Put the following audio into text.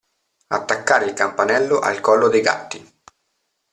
Attaccare il campanello al collo dei gatti.